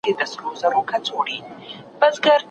د وچې ډوډۍ بحران باید عاجل حل شي.